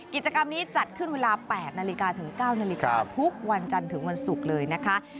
กิจกรรมนี้จัดขึ้นเวลา๘๙นทุกวันจันทร์ถึงวันศุกร์เลยนะคะ